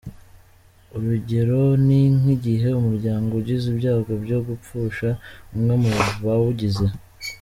Urugero ni nk’igihe umuryango ugize ibyago byo gupfusha umwe mu bawugize.